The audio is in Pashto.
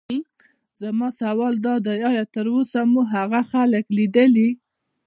زما سوال دادی: ایا تراوسه مو هغه خلک لیدلي.